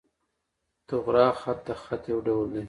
طغرا خط، د خط یو ډول دﺉ.